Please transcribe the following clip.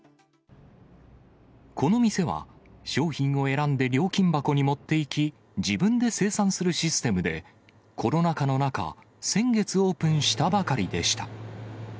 この店は、商品を選んで料金箱に持っていき、自分で精算するシステムで、コロナ禍の中、先月オープンしたばかりでした。